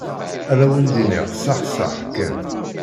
Ad awen-d-iniɣ saḥ saḥ kan